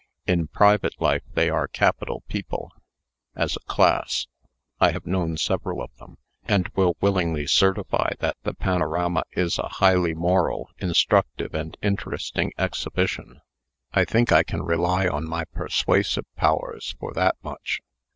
In private life, they are capital people, as a class I have known several of them and will willingly certify that the panorama is a highly moral, instructive, and interesting exhibition. I think I can rely on my persuasive powers for that much.